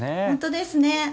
本当ですね。